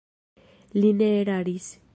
Li ne eraris.